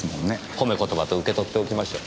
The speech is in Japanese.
褒め言葉と受け取っておきましょう。